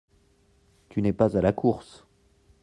Tu n’es pas à la course…